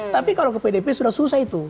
tapi kalau ke pdp sudah susah itu